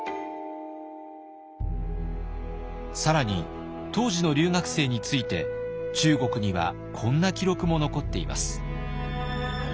更に当時の留学生について中国にはこんな記録も残っています。